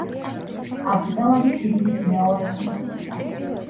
არქიპელაგის სიდიდით მეორე კუნძულია.